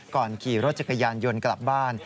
ขี่รถจักรยานยนต์กลับบ้าน